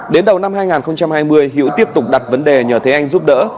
đến đầu năm hai nghìn hai mươi hữu tiếp tục đặt vấn đề nhờ thế anh giúp đỡ